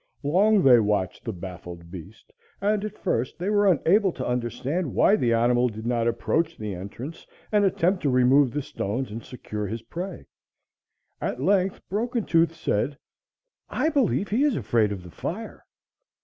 Long they watched the baffled beast, and at first they were unable to understand why the animal did not approach the entrance and attempt to remove the stones and secure his prey. At length Broken Tooth said: "I believe he is afraid of the fire."